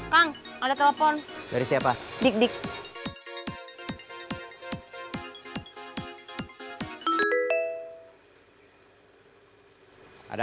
kau akan geldari